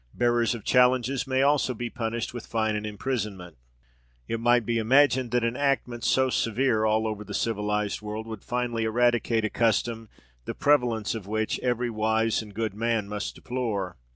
Bearers of challenges may also be punished with fine and imprisonment. It might be imagined that enactments so severe all over the civilised world would finally eradicate a custom, the prevalence of which every wise and good man must deplore.